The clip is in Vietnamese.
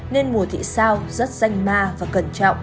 nên mùa thị sao rất danh ma và cẩn trọng